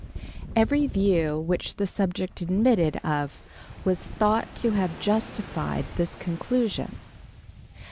Every view which the subject admitted of was thought to have justified this conclusion.